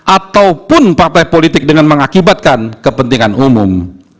ataupun partai politik dengan mengakibatkan kepentingan umum